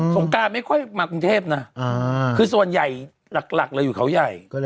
งการไม่ค่อยมากรุงเทพนะคือส่วนใหญ่หลักเลยอยู่เขาใหญ่